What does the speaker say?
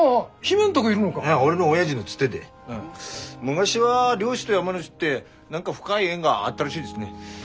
昔は漁師と山主って何か深い縁があったらしいですね。